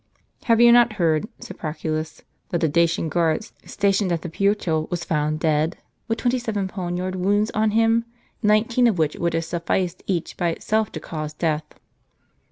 "Have you not heard," said Proculus, "that the Dacian guard stationed at the Puteal was found dead, with twenty seven poniard wounds on him, nineteen of which would have sufficed each bv itself to cause death